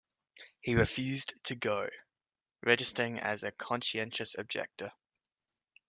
He refused to go, registering as a conscientious objector.